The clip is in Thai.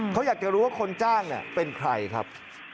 เขาอยากจะรู้ว่าคนจ้างเป็นใครครับ